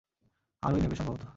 আরোই নেবে, সম্ভবত।